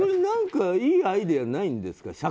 これ良いアイデアないんですか。